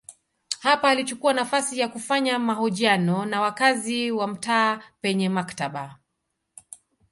Hapa alichukua nafasi ya kufanya mahojiano na wakazi wa mtaa penye maktaba.